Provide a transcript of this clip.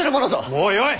もうよい！